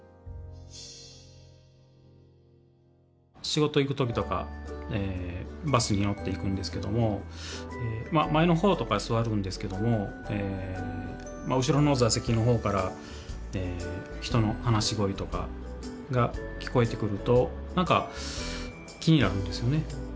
仕事行く時とかバスに乗って行くんですけども前の方とかに座るんですけども後ろの座席の方から人の話し声とかが聞こえてくると何か気になるんですよね。